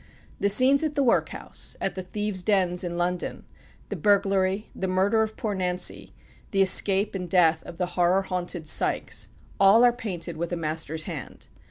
The scenes at the workhouse; at the thieves' dens in London; the burglary; the murder of poor Nancy; the escape and death of the horror haunted Sikes, all are painted with a master's hand.